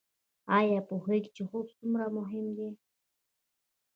ایا پوهیږئ چې خوب څومره مهم دی؟